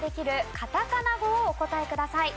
カタカナ語をお答えください。